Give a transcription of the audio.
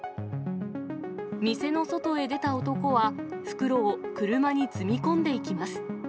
店の外へ出た男は、袋を車に積み込んでいきます。